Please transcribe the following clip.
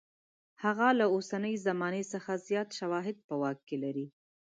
هغه له اوسنۍ زمانې څخه زیات شواهد په واک کې لري.